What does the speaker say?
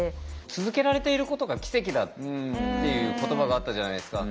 続けられていることが奇跡だっていう言葉があったじゃないですか。